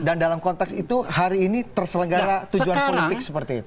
dan dalam konteks itu hari ini terselenggara tujuan politik seperti itu